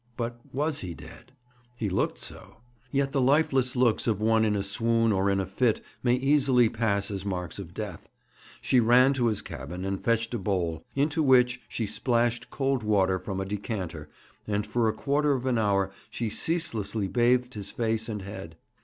But was he dead? He looked so. Yet the lifeless looks of one in a swoon or in a fit may easily pass as marks of death. She ran to his cabin, and fetched a bowl, into which she splashed cold water from a decanter, and for a quarter of an hour she ceaselessly bathed his face and head.